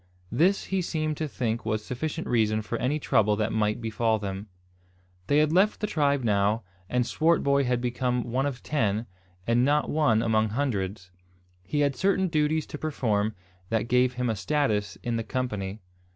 This he seemed to think was sufficient reason for any trouble that might befall them. They had left the tribe now, and Swartboy had become one of ten, and not one among hundreds. He had certain duties to perform that gave him a status in the company.